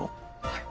はい。